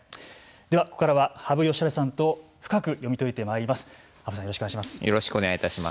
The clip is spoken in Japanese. では、ここからは羽生善治さんと深く読み解いてまいります。